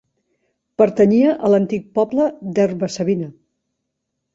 Pertanyia a l'antic poble d'Herba-savina.